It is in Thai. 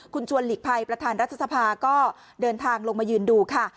คุณชวนหลีกภัยประธานรัฐสภาก็เดินทางลงมายืนดูค่ะ